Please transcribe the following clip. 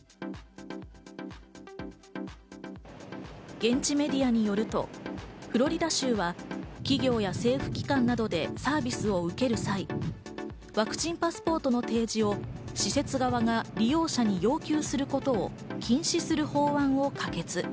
現地メディアによると、フロリダ州は企業や政府機関などでサービスを受ける際、ワクチンパスポートの提示を施設側が利用者に要求することを禁止する法案を可決。